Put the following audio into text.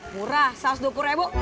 murah satu ratus dua puluh ribu